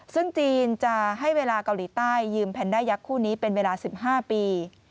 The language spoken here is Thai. ซึ่งจีนจะให้เวลาเกาหลีใต้ยืมแพนด้ายักษ์คู่นี้เป็นเวลา๑๕ปี